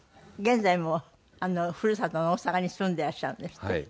現在もふるさとの大阪に住んでいらっしゃるんですって？